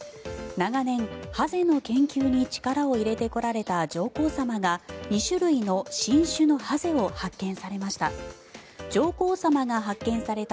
長年ハゼの研究に力を入れてこられた上皇さまが２種類の新種のハゼを発見されました。